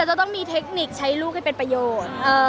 และจะต้องมีเทคนิคใช้ลูกแต่ประโยชน์